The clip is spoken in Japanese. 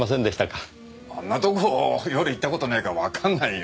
あんなとこ夜行った事ないからわかんないよ。